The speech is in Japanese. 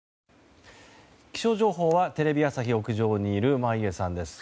気象情報はテレビ朝日屋上にいる眞家さん。